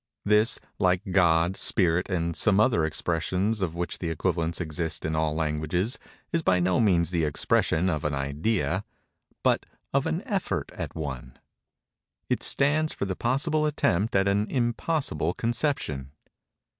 This, like "God," "spirit," and some other expressions of which the equivalents exist in all languages, is by no means the expression of an idea—but of an effort at one. It stands for the possible attempt at an impossible conception.